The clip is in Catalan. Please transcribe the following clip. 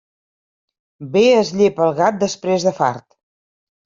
Bé es llepa el gat després de fart.